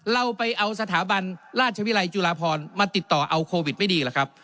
เราไปเอาสถาบันราชวิรัยจุฬาพรมาติดต่อเอาโควิดไม่ดีหรอกครับ